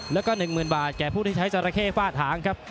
แล้วก็๑๐๐๐บาทแก่ผู้ที่ใช้จราเข้ฝ้าถางครับ